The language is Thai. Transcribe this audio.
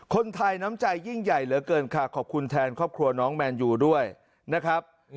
คนไทยน้ำใจยิ่งใหญ่เหลือเกินค่ะขอบคุณแทนครอบครัวน้องแมนยูด้วยนะครับ